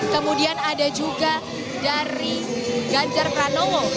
kemudian ada juga dari ganjar pranowo